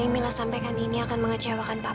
mila sampaikan ini akan mengecewakan pak